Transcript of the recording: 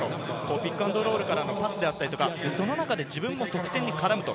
ピックアンドロールからのパスであったりとか、その中で自分も得点に絡む。